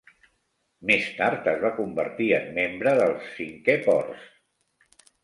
Més tard es va convertir en membre dels Cinque Ports.